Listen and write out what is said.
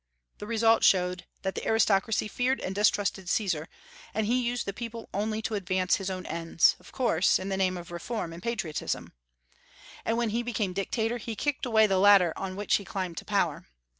The result showed that the aristocracy feared and distrusted Caesar; and he used the people only to advance his own ends, of course, in the name of reform and patriotism. And when he became Dictator, he kicked away the ladder on which he climbed to power.